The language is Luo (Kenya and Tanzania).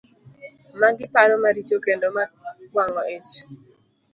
Magi paro maricho kendo ma wang'o ich.